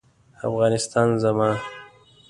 افغانستان زما